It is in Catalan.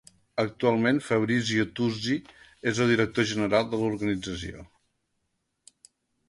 Actualment, Fabrizio Tuzi és el director general de l'organització.